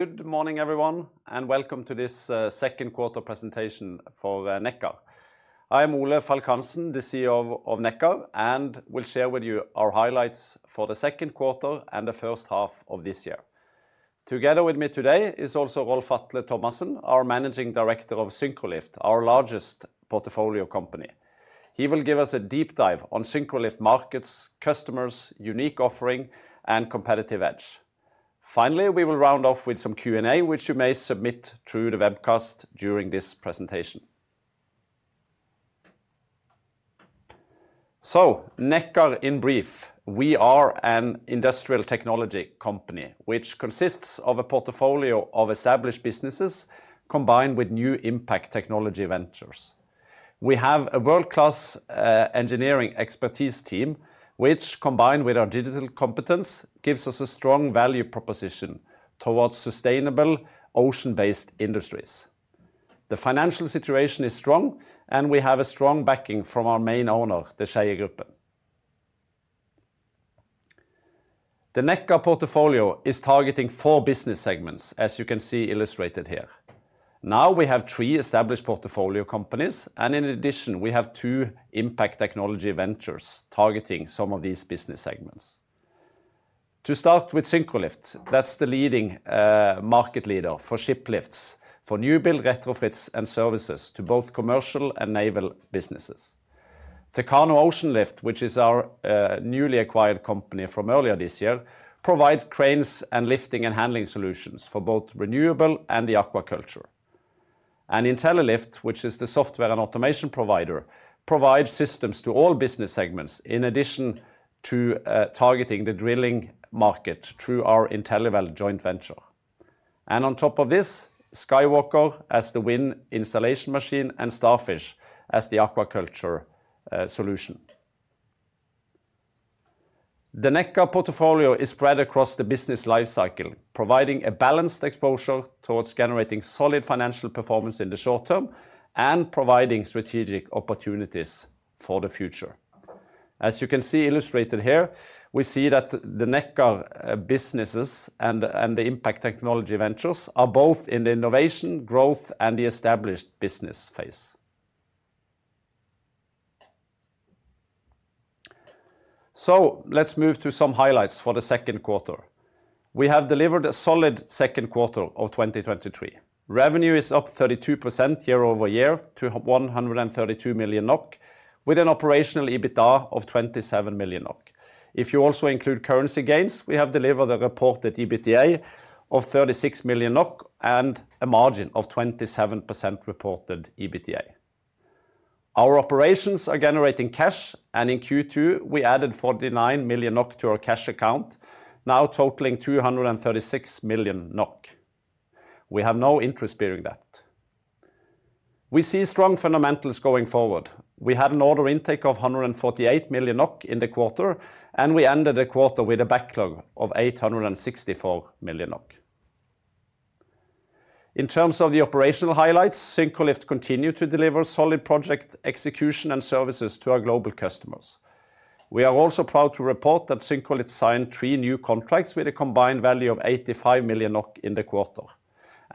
Good morning, everyone, and welcome to this second quarter presentation for Nekkar. I am Ole Falk Hansen, the CEO of Nekkar, and will share with you our highlights for the second quarter and the first half of this year. Together with me today is also Rolf-Atle Tomassen, our Managing Director of Syncrolift, our largest portfolio company. He will give us a deep dive on Syncrolift markets, customers, unique offering, and competitive edge. Finally, we will round off with some Q&A, which you may submit through the webcast during this presentation. Nekkar in brief: we are an industrial technology company which consists of a portfolio of established businesses, combined with new impact technology ventures. We have a world-class engineering expertise team, which, combined with our digital competence, gives us a strong value proposition towards sustainable ocean-based industries. The financial situation is strong, and we have a strong backing from our main owner, the Skeiegruppen. The Nekkar portfolio is targeting four business segments, as you can see illustrated here. Now, we have three established portfolio companies and in addition, we have two impact technology ventures targeting some of these business segments. To start with Syncrolift, that's the leading, market leader for ship lifts, for new build retrofits and services to both commercial and naval businesses. Techano Oceanlift, which is our, newly acquired company from earlier this year, provide cranes and lifting and handling solutions for both renewable and the aquaculture. And Intellilift, which is the software and automation provider, provides systems to all business segments, in addition to, targeting the drilling market through our InteliWell joint venture. And on top of this, SkyWalker, as the wind installation machine, and Starfish as the aquaculture solution. The Nekkar portfolio is spread across the business life cycle, providing a balanced exposure towards generating solid financial performance in the short term and providing strategic opportunities for the future. As you can see illustrated here, we see that the Nekkar businesses and the impact technology ventures are both in the innovation, growth, and the established business phase. So let's move to some highlights for the second quarter. We have delivered a solid second quarter of 2023. Revenue is up 32% year-over-year to 132 million NOK, with an operational EBITDA of 27 million NOK. If you also include currency gains, we have delivered a reported EBITDA of 36 million NOK and a margin of 27% reported EBITDA. Our operations are generating cash, and in Q2, we added 49 million NOK to our cash account, now totaling 236 million NOK. We have no interest-bearing debt. We see strong fundamentals going forward. We had an order intake of 148 million NOK in the quarter, and we ended the quarter with a backlog of 864 million NOK. In terms of the operational highlights, Syncrolift continued to deliver solid project execution and services to our global customers. We are also proud to report that Syncrolift signed three new contracts with a combined value of 85 million NOK in the quarter.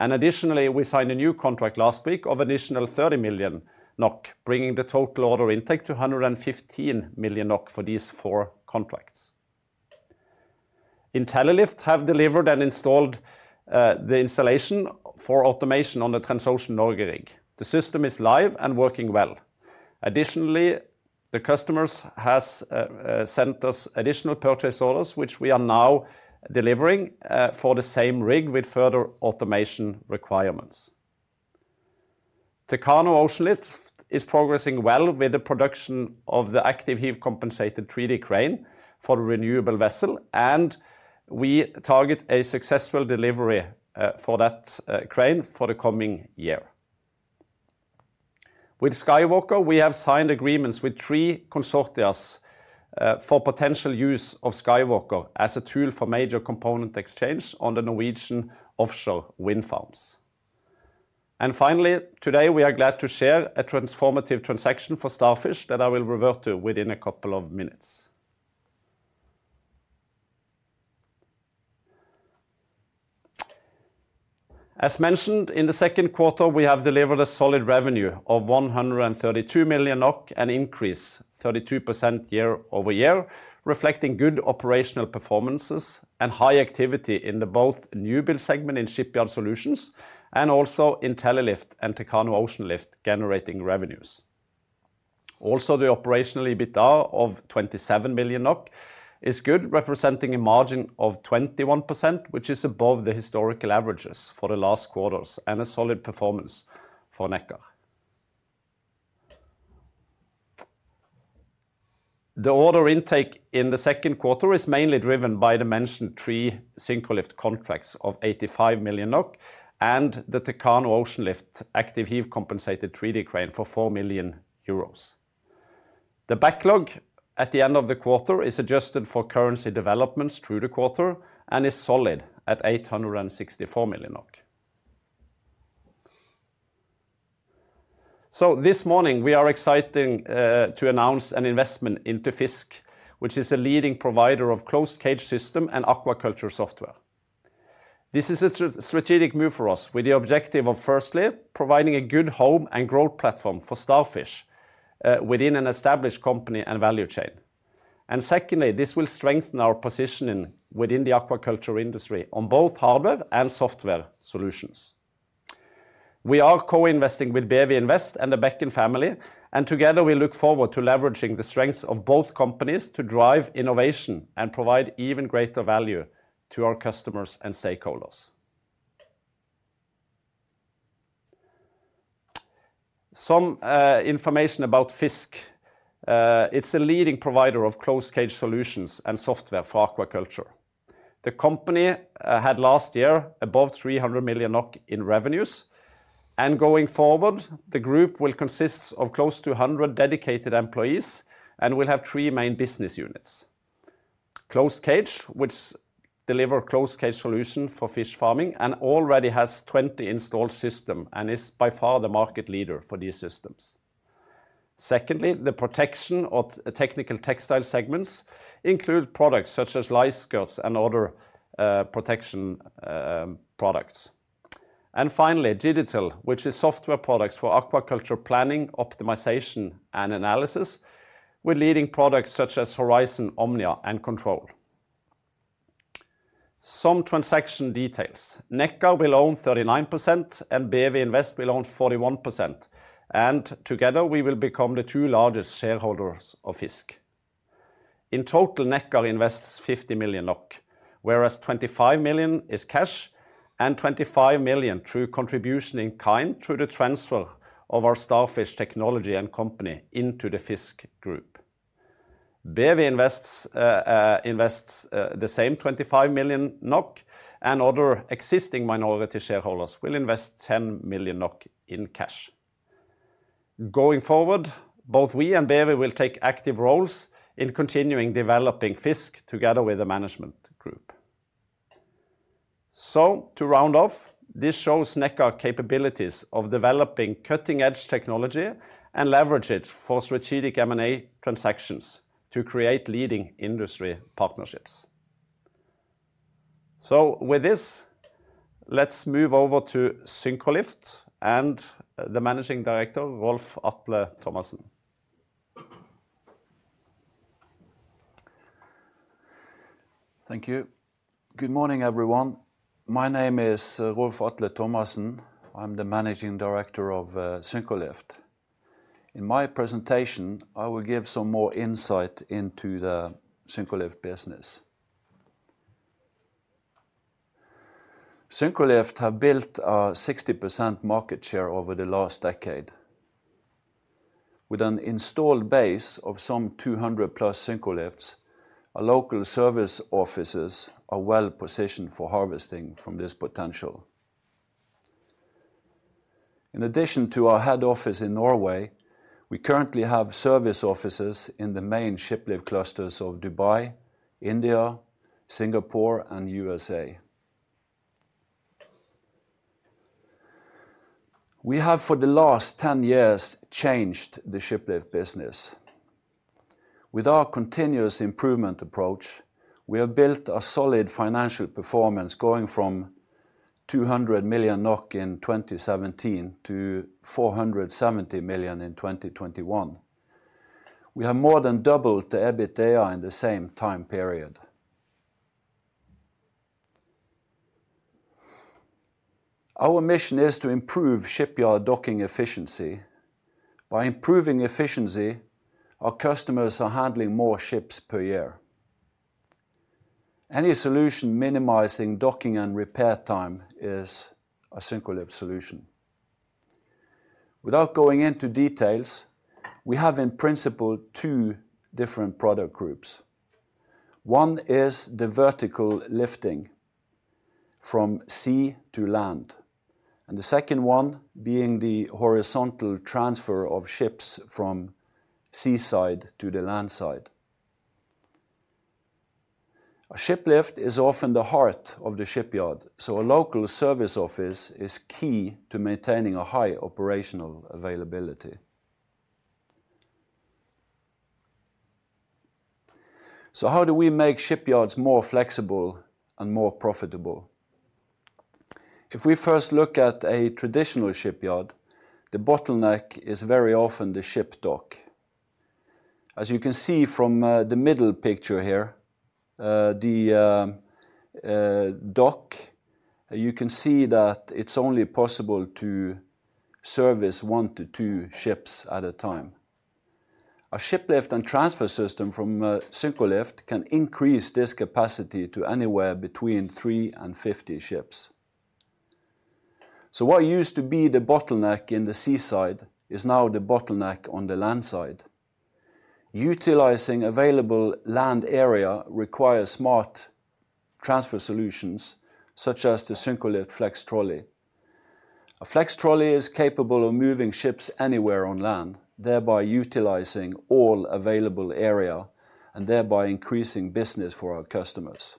Additionally, we signed a new contract last week of additional 30 million NOK, bringing the total order intake to 115 million NOK for these four contracts. Intellilift have delivered and installed the installation for automation on the Transocean Norge. The system is live and working well. Additionally, the customers has sent us additional purchase orders, which we are now delivering for the same rig with further automation requirements. Techano Oceanlift is progressing well with the production of the active heave-compensated 3D crane for the renewable vessel, and we target a successful delivery for that crane for the coming year. With SkyWalker, we have signed agreements with three consortia for potential use of SkyWalker as a tool for major component exchange on the Norwegian offshore wind farms. And finally, today, we are glad to share a transformative transaction for Starfish that I will revert to within a couple of minutes. As mentioned, in the second quarter, we have delivered a solid revenue of 132 million NOK, an increase 32% year-over-year, reflecting good operational performances and high activity in both the new build segment in shipyard solutions, and also Intellilift and Techano Oceanlift generating revenues. Also, the operational EBITDA of 27 million NOK is good, representing a margin of 21%, which is above the historical averages for the last quarters and a solid performance for Nekkar. The order intake in the second quarter is mainly driven by the mentioned three Syncrolift contracts of 85 million NOK and the Techano Oceanlift active heave-compensated 3D crane for 4 million euros. The backlog at the end of the quarter is adjusted for currency developments through the quarter and is solid at 864 million.... So this morning, we are excited to announce an investment into FiiZK, which is a leading provider of closed cage system and aquaculture software. This is a strategic move for us, with the objective of firstly, providing a good home and growth platform for Starfish within an established company and value chain. And secondly, this will strengthen our positioning within the aquaculture industry on both hardware and software solutions. We are co-investing with BEWI Invest and the Bekken family, and together we look forward to leveraging the strengths of both companies to drive innovation and provide even greater value to our customers and stakeholders. Some information about FiiZK. It's a leading provider of closed cage solutions and software for aquaculture. The company had last year above 300 million NOK in revenues, and going forward, the group will consist of close to 100 dedicated employees and will have three main business units. Closed cage, which deliver closed cage solution for fish farming, and already has 20 installed system, and is by far the market leader for these systems. Secondly, the protection of technical textile segments include products such as lice skirts and other, protection, products. And finally, digital, which is software products for aquaculture planning, optimization, and analysis, with leading products such as Horizon, Omnia, and Control. Some transaction details. Nekkar will own 39% and BEWI Invest will own 41%, and together we will become the two largest shareholders of FiiZK. In total, Nekkar invests 50 million NOK, whereas 25 million is cash and 25 million through contribution in kind through the transfer of our Starfish technology and company into the FiiZK group. BEWI invests the same 25 million NOK, and other existing minority shareholders will invest 10 million NOK in cash. Going forward, both we and BEWI will take active roles in continuing developing FiiZK together with the management group. So to round off, this shows Nekkar capabilities of developing cutting-edge technology and leverage it for strategic M&A transactions to create leading industry partnerships. So with this, let's move over to Syncrolift and the Managing Director, Rolf-Atle Tomassen. Thank you. Good morning, everyone. My name is Rolf-Atle Tomassen. I'm the Managing Director of Syncrolift. In my presentation, I will give some more insight into the Syncrolift business. Syncrolift have built a 60% market share over the last decade. With an installed base of some 200+ Syncrolifts, our local service offices are well positioned for harvesting from this potential. In addition to our head office in Norway, we currently have service offices in the main ship lift clusters of Dubai, India, Singapore, and U.S.A. We have, for the last 10 years, changed the ship lift business. With our continuous improvement approach, we have built a solid financial performance, going from 200 million NOK in 2017 to 470 million in 2021. We have more than doubled the EBITDA in the same time period. Our mission is to improve shipyard docking efficiency. By improving efficiency, our customers are handling more ships per year. Any solution minimizing docking and repair time is a Syncrolift solution. Without going into details, we have in principle two different product groups. One is the vertical lifting from sea to land, and the second one being the horizontal transfer of ships from seaside to the land side. A shiplift is often the heart of the shipyard, so a local service office is key to maintaining a high operational availability. So how do we make shipyards more flexible and more profitable? If we first look at a traditional shipyard, the bottleneck is very often the ship dock. As you can see from the middle picture here, the dock, you can see that it's only possible to service one to two ships at a time. A ship lift and transfer system from Syncrolift can increase this capacity to anywhere between three and 50 ships. So what used to be the bottleneck in the seaside is now the bottleneck on the land side. Utilizing available land area requires smart transfer solutions, such as the Syncrolift Flex Trolley. A Flex Trolley is capable of moving ships anywhere on land, thereby utilizing all available area and thereby increasing business for our customers....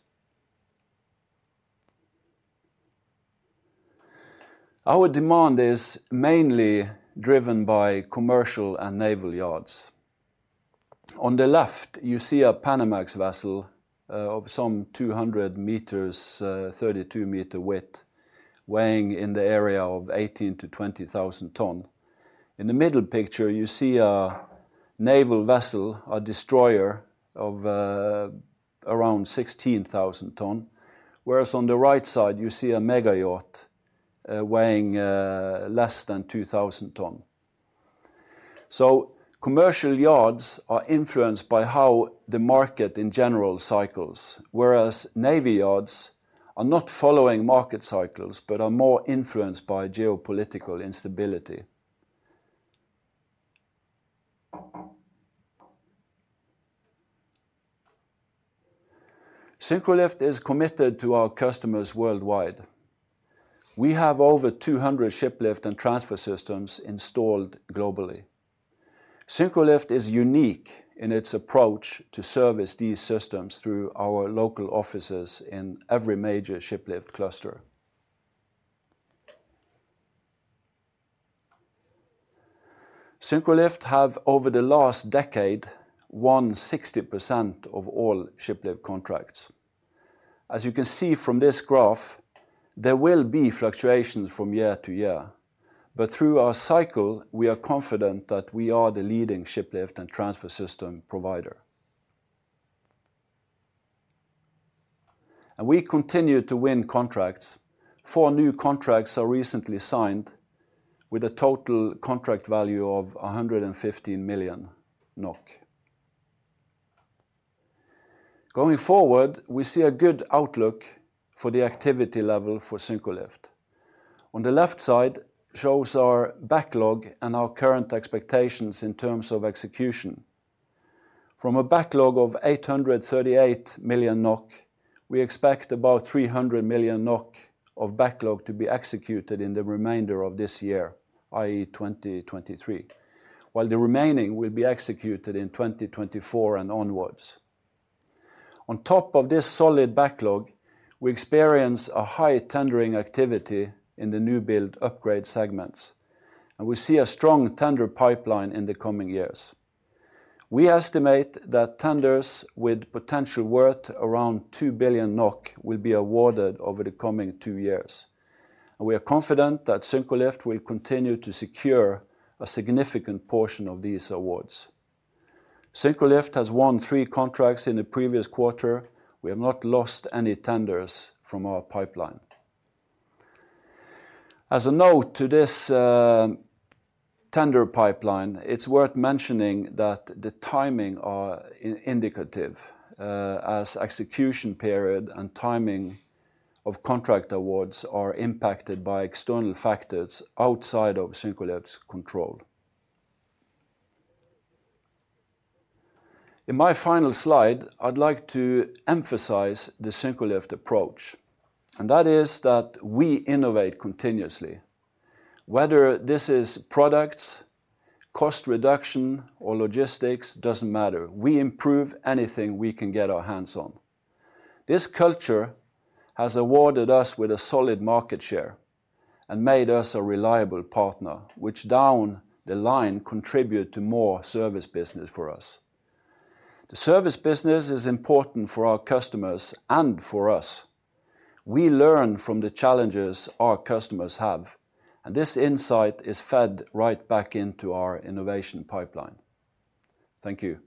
Our demand is mainly driven by commercial and naval yards. On the left, you see a Panamax vessel of some 200 meters, 32-meter width, weighing in the area of 18,000-20,000 tons. In the middle picture, you see a naval vessel, a destroyer of around 16,000 tons, whereas on the right side, you see a mega yacht weighing less than 2,000 tons. Commercial yards are influenced by how the market in general cycles, whereas navy yards are not following market cycles, but are more influenced by geopolitical instability. Syncrolift is committed to our customers worldwide. We have over 200 shiplift and transfer systems installed globally. Syncrolift is unique in its approach to service these systems through our local offices in every major shiplift cluster. Syncrolift have, over the last decade, won 60% of all shiplift contracts. As you can see from this graph, there will be fluctuations from year to year, but through our cycle, we are confident that we are the leading shiplift and transfer system provider. We continue to win contracts. Four new contracts are recently signed with a total contract value of 115 million NOK. Going forward, we see a good outlook for the activity level for Syncrolift. On the left side, shows our backlog and our current expectations in terms of execution. From a backlog of 838 million NOK, we expect about 300 million NOK of backlog to be executed in the remainder of this year, i.e., 2023, while the remaining will be executed in 2024 and onwards. On top of this solid backlog, we experience a high tendering activity in the new build upgrade segments, and we see a strong tender pipeline in the coming years. We estimate that tenders with potential worth around 2 billion NOK will be awarded over the coming two years. We are confident that Syncrolift will continue to secure a significant portion of these awards. Syncrolift has won three contracts in the previous quarter. We have not lost any tenders from our pipeline. As a note to this, tender pipeline, it's worth mentioning that the timing are indicative, as execution period and timing of contract awards are impacted by external factors outside of Syncrolift's control. In my final slide, I'd like to emphasize the Syncrolift approach, and that is that we innovate continuously. Whether this is products, cost reduction, or logistics, doesn't matter. We improve anything we can get our hands on. This culture has awarded us with a solid market share and made us a reliable partner, which down the line, contribute to more service business for us. The service business is important for our customers and for us. We learn from the challenges our customers have, and this insight is fed right back into our innovation pipeline. Thank you.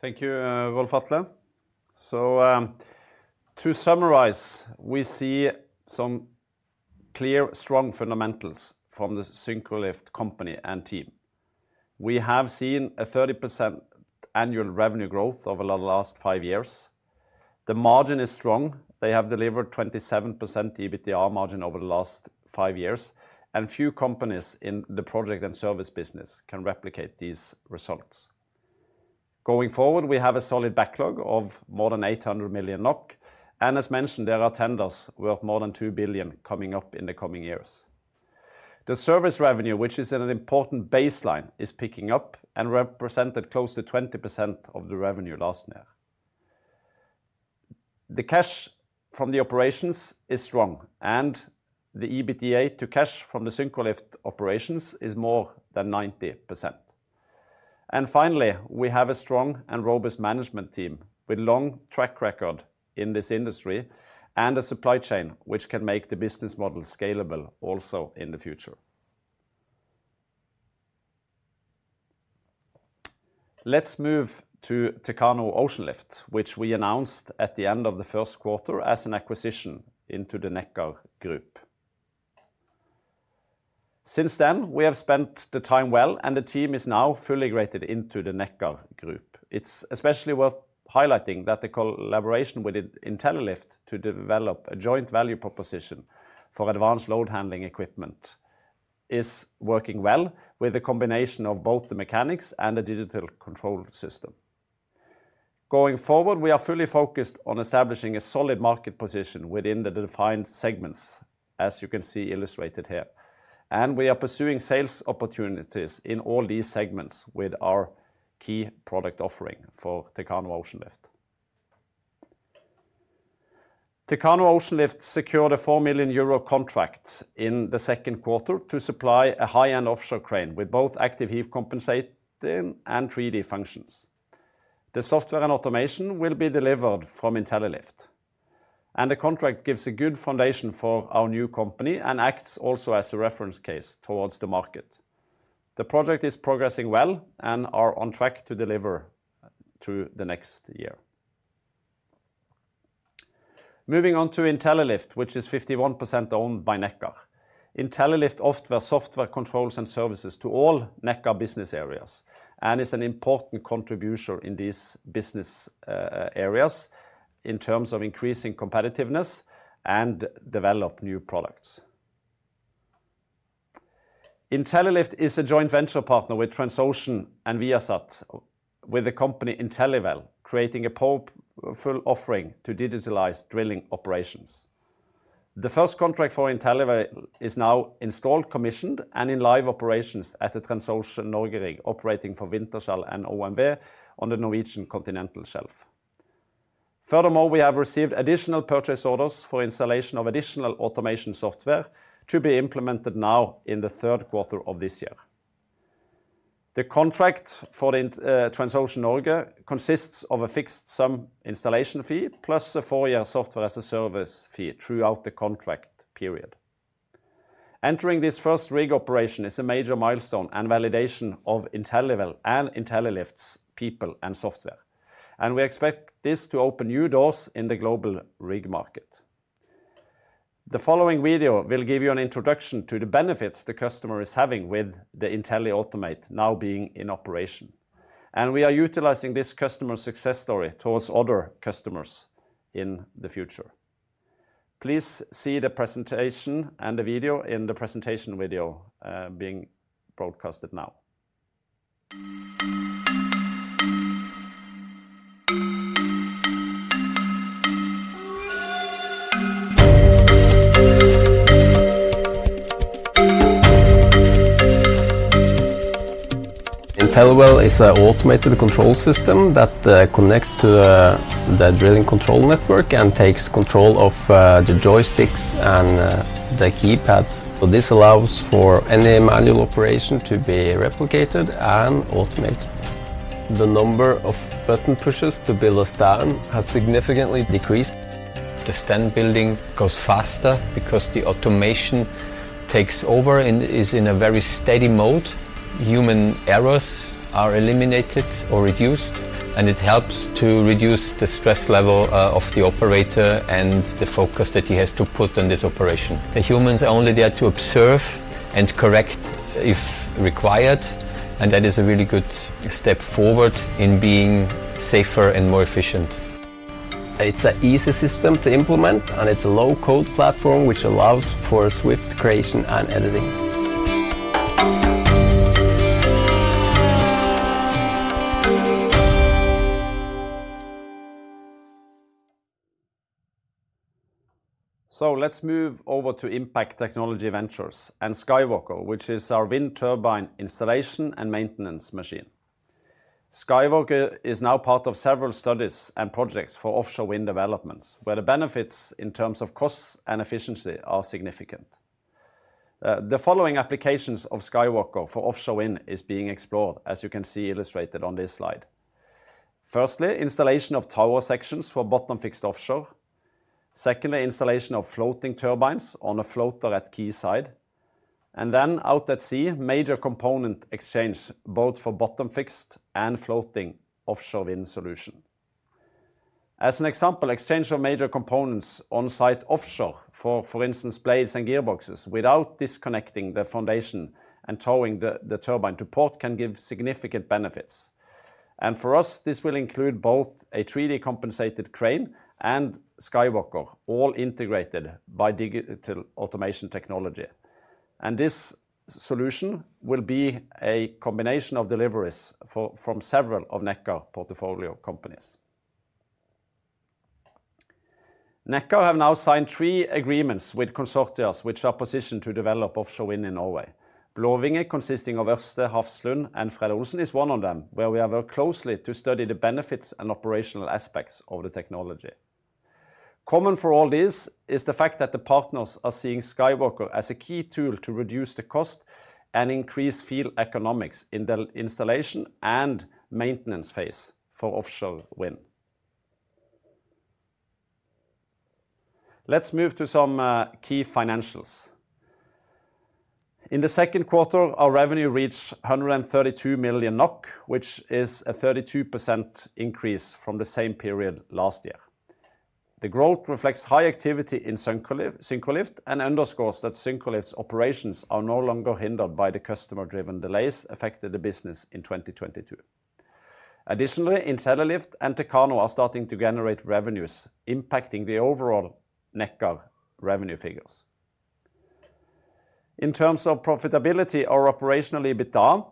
Thank you, Rolf-Atle. So, to summarize, we see some clear, strong fundamentals from the Syncrolift company and team. We have seen a 30% annual revenue growth over the last five years. The margin is strong. They have delivered 27% EBITDA margin over the last five years, and few companies in the project and service business can replicate these results. Going forward, we have a solid backlog of more than 800 million NOK, and as mentioned, there are tenders worth more than 2 billion coming up in the coming years. The service revenue, which is at an important baseline, is picking up and represented close to 20% of the revenue last year. The cash from the operations is strong, and the EBITDA to cash from the Syncrolift operations is more than 90%. Finally, we have a strong and robust management team with long track record in this industry, and a supply chain which can make the business model scalable also in the future. Let's move to Techano Oceanlift, which we announced at the end of the first quarter as an acquisition into the Nekkar group. Since then, we have spent the time well, and the team is now fully integrated into the Nekkar group. It's especially worth highlighting that the collaboration with Intellilift to develop a joint value proposition for advanced load handling equipment is working well with a combination of both the mechanics and the digital control system. Going forward, we are fully focused on establishing a solid market position within the defined segments, as you can see illustrated here... and we are pursuing sales opportunities in all these segments with our key product offering for Techano Oceanlift. Techano Oceanlift secured a 4 million euro contract in the second quarter to supply a high-end offshore crane with both active heave compensation and 3D functions. The software and automation will be delivered from Intellilift, and the contract gives a good foundation for our new company and acts also as a reference case towards the market. The project is progressing well and are on track to deliver through the next year. Moving on to Intellilift, which is 51% owned by Nekkar. Intellilift offers software controls and services to all Nekkar business areas, and is an important contributor in these business areas in terms of increasing competitiveness and develop new products. Intellilift is a joint venture partner with Transocean and Viasat, with the company InteliWell, creating a powerful offering to digitalize drilling operations. The first contract for InteliWell is now installed, commissioned, and in live operations at the Transocean Norge rig, operating for Wintershall and OMV on the Norwegian Continental Shelf. Furthermore, we have received additional purchase orders for installation of additional automation software to be implemented now in the third quarter of this year. The contract for the Transocean Norge consists of a fixed sum installation fee, plus a four-year software as a service fee throughout the contract period. Entering this first rig operation is a major milestone and validation of InteliWell and Intellilift's people and software, and we expect this to open new doors in the global rig market. The following video will give you an introduction to the benefits the customer is having with the InteliAutomate now being in operation, and we are utilizing this customer success story towards other customers in the future. Please see the presentation and the video in the presentation video, being broadcasted now. InteliWell is an automated control system that connects to the drilling control network and takes control of the joysticks and the keypads. So this allows for any manual operation to be replicated and automated. The number of button pushes to build a stand has significantly decreased. The stand building goes faster because the automation takes over and is in a very steady mode. Human errors are eliminated or reduced, and it helps to reduce the stress level, of the operator and the focus that he has to put on this operation. The humans are only there to observe and correct, if required, and that is a really good step forward in being safer and more efficient. It's an easy system to implement, and it's a low-code platform, which allows for swift creation and editing. So let's move over to Impact Technology Ventures and SkyWalker, which is our wind turbine installation and maintenance machine. SkyWalker is now part of several studies and projects for offshore wind developments, where the benefits in terms of costs and efficiency are significant. The following applications of SkyWalker for offshore wind is being explored, as you can see illustrated on this slide. Firstly, installation of tower sections for bottom fixed offshore. Secondly, installation of floating turbines on a floater at quayside, and then out at sea, major component exchange, both for bottom fixed and floating offshore wind solution. As an example, exchange of major components on site offshore, for instance, blades and gearboxes, without disconnecting the foundation and towing the turbine to port, can give significant benefits. And for us, this will include both a 3D compensated crane and SkyWalker, all integrated by digital automation technology. This solution will be a combination of deliveries from several of Nekkar portfolio companies. Nekkar have now signed three agreements with consortia, which are positioned to develop offshore wind in Norway. Blaavinge, consisting of Ørsted, Hafslund, and Fred. Olsen, is one of them, where we have worked closely to study the benefits and operational aspects of the technology. Common for all this is the fact that the partners are seeing SkyWalker as a key tool to reduce the cost and increase field economics in the installation and maintenance phase for offshore wind. Let's move to some key financials. In the second quarter, our revenue reached 132 million NOK, which is a 32% increase from the same period last year. The growth reflects high activity in Syncrolift, and underscores that Syncrolift's operations are no longer hindered by the customer-driven delays affected the business in 2022. Additionally, Intellilift and Techano are starting to generate revenues, impacting the overall Nekkar revenue figures. In terms of profitability, our operational EBITDA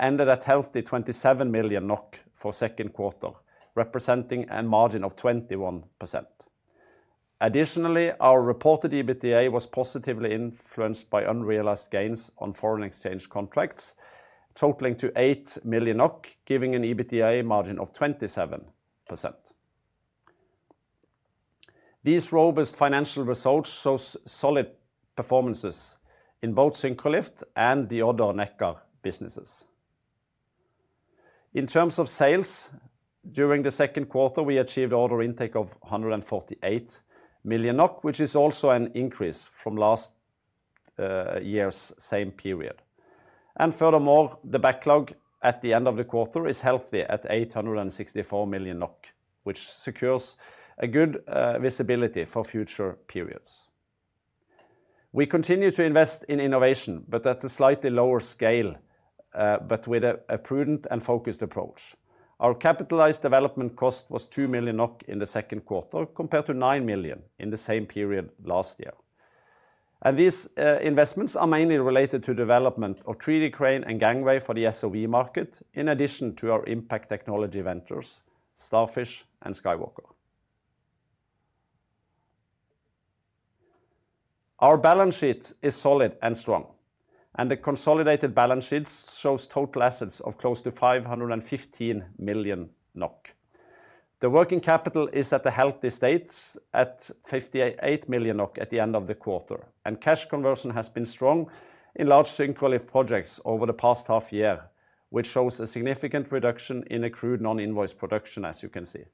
ended at healthy 27 million NOK for second quarter, representing a margin of 21%.... Additionally, our reported EBITDA was positively influenced by unrealized gains on foreign exchange contracts, totaling to 8 million NOK, giving an EBITDA margin of 27%. These robust financial results shows solid performances in both Syncrolift and the other Nekkar businesses. In terms of sales, during the second quarter, we achieved order intake of 148 million NOK, which is also an increase from last year's same period. Furthermore, the backlog at the end of the quarter is healthy at 864 million NOK, which secures a good visibility for future periods. We continue to invest in innovation, but at a slightly lower scale, but with a prudent and focused approach. Our capitalized development cost was 2 million NOK in the second quarter, compared to 9 million in the same period last year. These investments are mainly related to development of 3D crane and gangway for the SOV market, in addition to our impact technology ventures, Starfish and SkyWalker. Our balance sheet is solid and strong, and the consolidated balance sheet shows total assets of close to 515 million NOK. The working capital is at a healthy state, at 58 million NOK at the end of the quarter, and cash conversion has been strong in large Syncrolift projects over the past half year, which shows a significant reduction in accrued non-invoiced production, as you can see.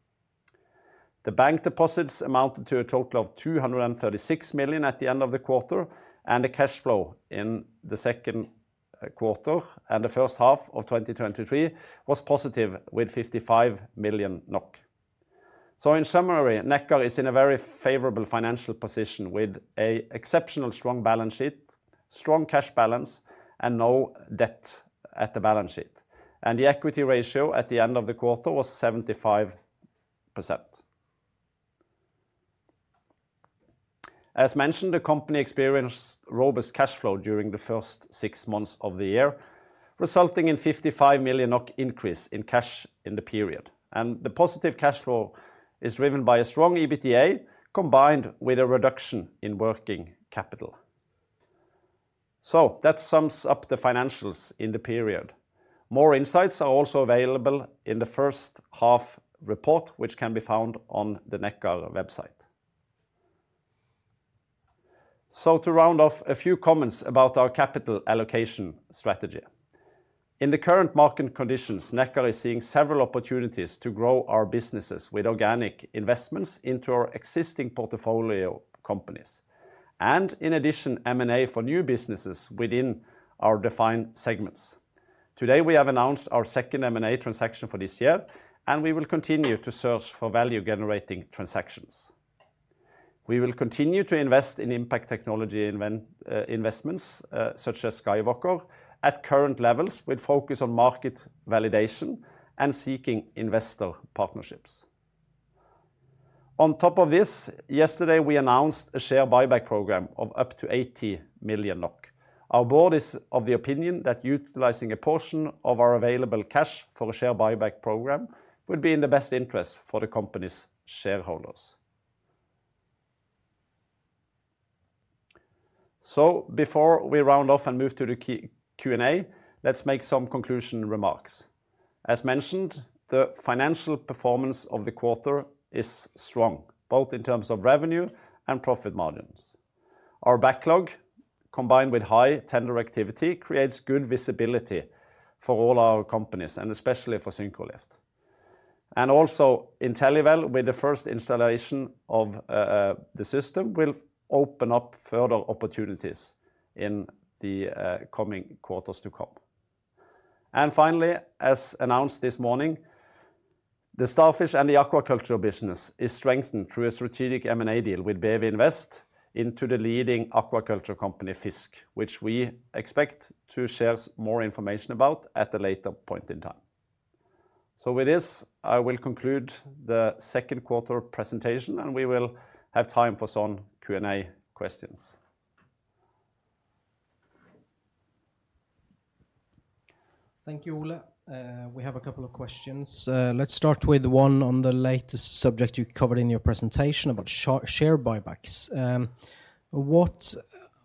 The bank deposits amounted to a total of 236 million at the end of the quarter, and the cash flow in the second quarter and the first half of 2023 was positive, with 55 million NOK. So in summary, Nekkar is in a very favorable financial position, with an exceptionally strong balance sheet, strong cash balance, and no debt at the balance sheet. The equity ratio at the end of the quarter was 75%. As mentioned, the company experienced robust cash flow during the first six months of the year, resulting in 55 million increase in cash in the period. The positive cash flow is driven by a strong EBITDA, combined with a reduction in working capital. That sums up the financials in the period. More insights are also available in the first half report, which can be found on the Nekkar website. To round off, a few comments about our capital allocation strategy. In the current market conditions, Nekkar is seeing several opportunities to grow our businesses with organic investments into our existing portfolio companies and, in addition, M&A for new businesses within our defined segments. Today, we have announced our second M&A transaction for this year, and we will continue to search for value-generating transactions. We will continue to invest in impact technology investments, such as SkyWalker, at current levels, with focus on market validation and seeking investor partnerships. On top of this, yesterday, we announced a share buyback program of up to 80 million NOK. Our board is of the opinion that utilizing a portion of our available cash for a share buyback program would be in the best interest for the company's shareholders. So before we round off and move to the Q&A, let's make some conclusion remarks. As mentioned, the financial performance of the quarter is strong, both in terms of revenue and profit margins. Our backlog, combined with high tender activity, creates good visibility for all our companies, and especially for Syncrolift. And also, InteliWell, with the first installation of the system, will open up further opportunities in the coming quarters to come. Finally, as announced this morning, the Starfish and the aquaculture business is strengthened through a strategic M&A deal with BEWI Invest into the leading aquaculture company, FiiZK, which we expect to share more information about at a later point in time. With this, I will conclude the second quarter presentation, and we will have time for some Q&A questions. Thank you, Ole. We have a couple of questions. Let's start with one on the latest subject you covered in your presentation about share buybacks. What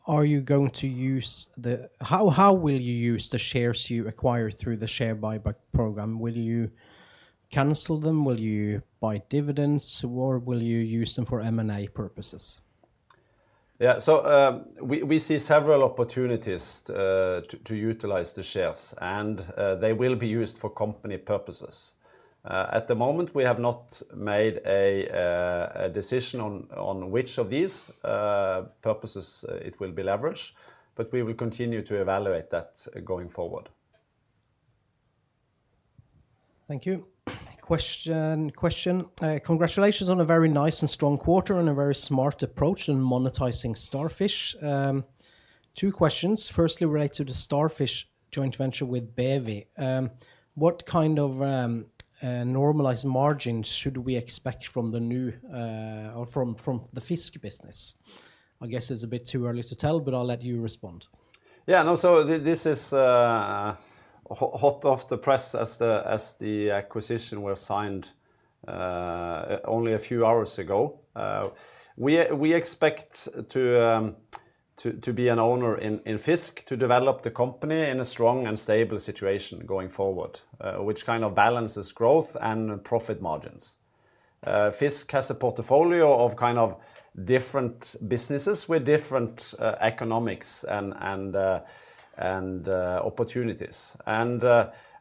are you going to use the... How will you use the shares you acquire through the share buyback program? Will you cancel them? Will you buy dividends, or will you use them for M&A purposes? Yeah. So, we see several opportunities to utilize the shares, and they will be used for company purposes. At the moment, we have not made a decision on which of these purposes it will be leveraged, but we will continue to evaluate that going forward. Thank you. Question, congratulations on a very nice and strong quarter and a very smart approach in monetizing Starfish. Two questions, firstly related to Starfish joint venture with BEWI. What kind of normalized margins should we expect from the new or from the FiiZK business? I guess it's a bit too early to tell, but I'll let you respond. Yeah, no, so this is hot off the press as the acquisition was signed only a few hours ago. We expect to be an owner in FiiZK to develop the company in a strong and stable situation going forward, which kind of balances growth and profit margins. FiiZK has a portfolio of kind of different businesses with different economics and opportunities. And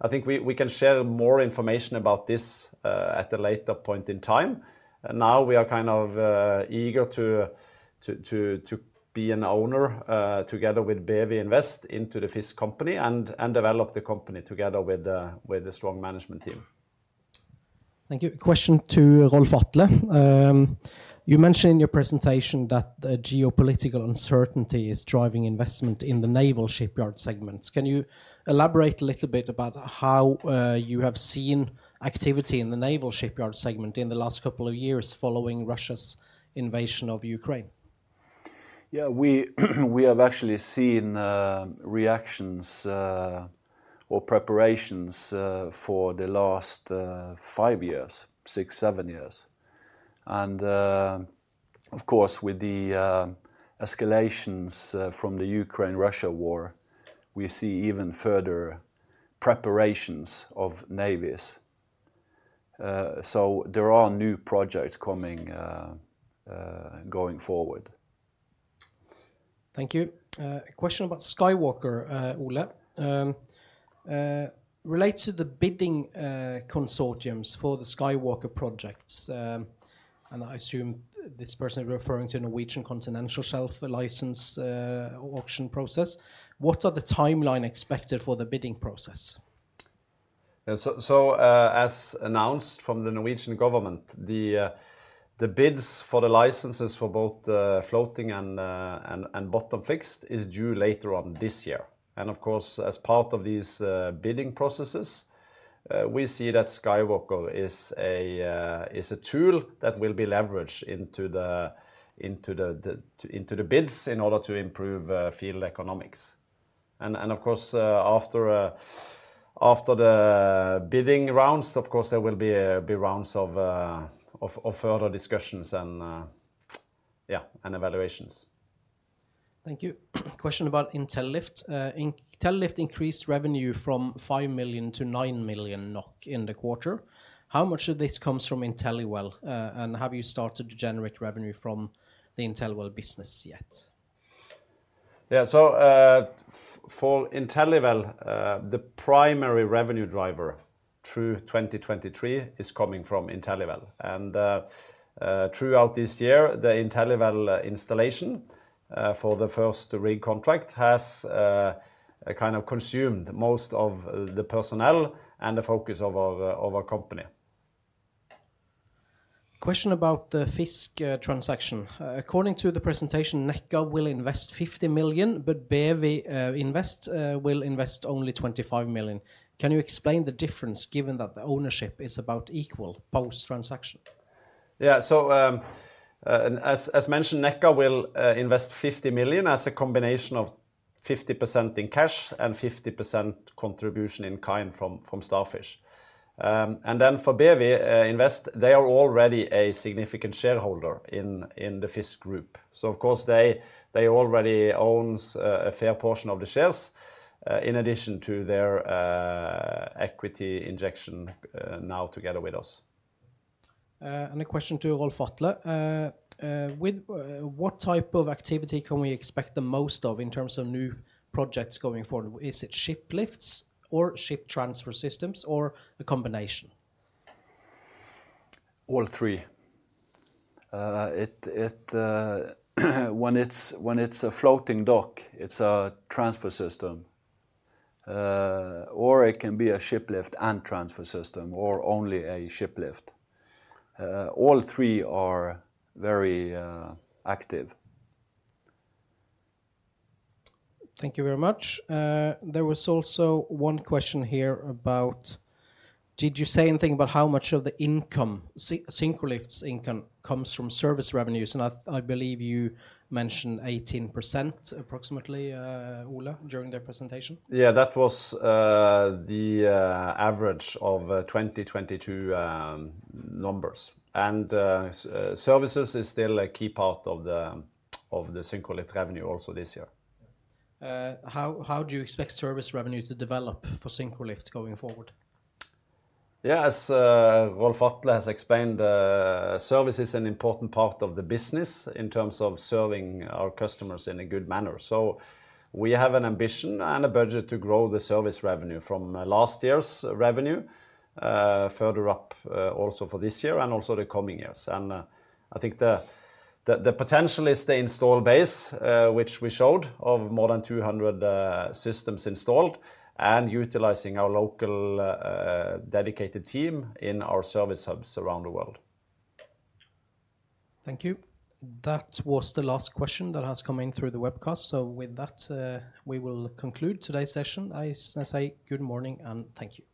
I think we can share more information about this at a later point in time. Now, we are kind of eager to be an owner together with BEWI Invest into the FiiZK company and develop the company together with the strong management team. Thank you. Question to Rolf-Atle. You mentioned in your presentation that the geopolitical uncertainty is driving investment in the naval shipyard segments. Can you elaborate a little bit about how you have seen activity in the naval shipyard segment in the last couple of years following Russia's invasion of Ukraine? Yeah, we have actually seen reactions or preparations for the last five years, six, seven years. Of course, with the escalations from the Ukraine-Russia war, we see even further preparations of navies. So there are new projects coming going forward. Thank you. A question about SkyWalker, Ole. Relates to the bidding consortiums for the SkyWalker projects. And I assume this person is referring to Norwegian Continental Shelf, the license auction process. What are the timeline expected for the bidding process? Yeah, so, as announced from the Norwegian government, the bids for the licenses for both the floating and bottom fixed is due later on this year. And of course, as part of these bidding processes, we see that SkyWalker is a tool that will be leveraged into the bids in order to improve field economics. And of course, after the bidding rounds, of course, there will be rounds of further discussions and yeah, and evaluations. Thank you. Question about Intellilift. Intellilift increased revenue from 5 million to 9 million NOK in the quarter. How much of this comes from InteliWell? And have you started to generate revenue from the InteliWell business yet? Yeah, so, for InteliWell, the primary revenue driver through 2023 is coming from InteliWell. And, throughout this year, the InteliWell installation for the first rig contract has kind of consumed most of the personnel and the focus of our company. Question about the FiiZK transaction. According to the presentation, Nekkar will invest 50 million, but BEWI Invest will invest only 25 million. Can you explain the difference, given that the ownership is about equal post-transaction? Yeah. So, as mentioned, Nekkar will invest 50 million as a combination of 50% in cash and 50% contribution in-kind from Starfish. And then for BEWI Invest, they are already a significant shareholder in FiiZK. So of course, they already owns a fair portion of the shares in addition to their equity injection now together with us. A question to Rolf-Atle. What type of activity can we expect the most of in terms of new projects going forward? Is it ship lifts or ship transfer systems, or a combination? All three. When it's a floating dock, it's a transfer system. Or it can be a shiplift and transfer system, or only a shiplift. All three are very active. Thank you very much. There was also one question here about, did you say anything about how much of the income, Syncrolift's income comes from service revenues? And I believe you mentioned 18%, approximately, Ole, during the presentation. Yeah, that was the average of 2022 numbers. And services is still a key part of the Syncrolift revenue also this year. How do you expect service revenue to develop for Syncrolift going forward? Yeah, as Rolf-Atle has explained, service is an important part of the business in terms of serving our customers in a good manner. So we have an ambition and a budget to grow the service revenue from last year's revenue further up, also for this year and also the coming years. And I think the potential is the install base, which we showed, of more than 200 systems installed, and utilizing our local dedicated team in our service hubs around the world. Thank you. That was the last question that has come in through the webcast. So with that, we will conclude today's session. I say good morning and thank you.